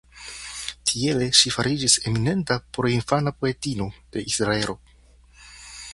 Tiele ŝi fariĝis eminenta porinfana poetino de Israelo.